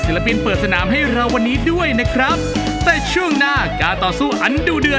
พร้อมแล้วเป็นโปรดกลุ่มของวันนี้เลย